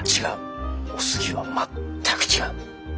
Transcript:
お杉は全く違う。